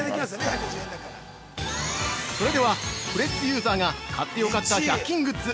◆それでは、フレッツユーザーが買ってよかった１００均グッズ！